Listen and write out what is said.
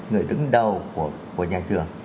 người đứng đầu của nhà trường